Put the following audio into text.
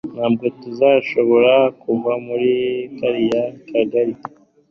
ntabwo tuzashobora kuva muri kariya kagari